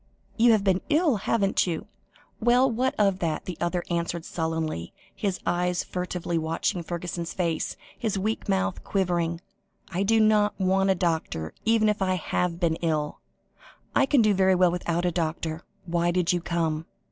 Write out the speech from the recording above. You have been ill, haven't you?" "Well, what of that?" the other answered sullenly, his eyes furtively watching Fergusson's face, his weak mouth quivering. "I don't want a doctor, even if I have been ill. I can do very well without a doctor. Why did you come?"